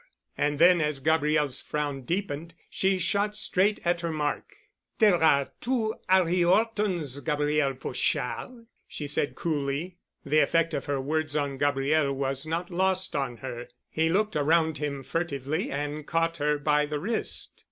And then, as Gabriel's frown deepened, she shot straight at her mark. "There are two 'Arry 'Ortons, Gabriel Pochard," she said coolly. The effect of her words on Gabriel was not lost on her. He looked around him furtively and caught her by the wrist.